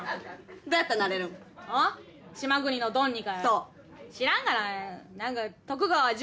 そう。